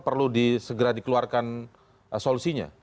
perlu di segera dikeluarkan solusinya